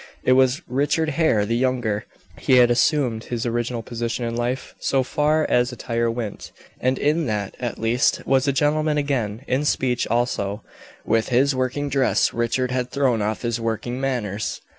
It was Richard Hare the younger. He had assumed his original position in life, so far as attire went, and in that, at least, was a gentleman again. In speech also with his working dress Richard had thrown off his working manners.